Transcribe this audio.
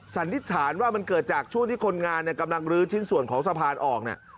สันนิษฐานว่ามันเกิดจากช่วงที่คนงานกำลังลื้อชิ้นส่วนของสะพานออกเนี่ย